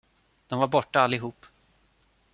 De var borta allihop.